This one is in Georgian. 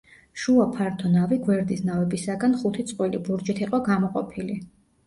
შუა ფართო ნავი გვერდის ნავებისაგან ხუთი წყვილი ბურჯით იყო გამოყოფილი.